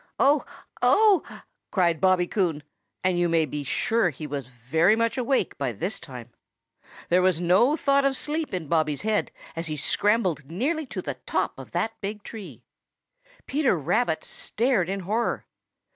"Oh! Oh!" cried Bobby Coon, and you may be sure he was very much awake by this time. There was no thought of sleep in Bobby's head as he scrambled nearly to the top of that big tree. Peter Rabbit stared in horror.